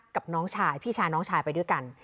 กับน้องชายพี่ชายน้องชายไปด้วยกัน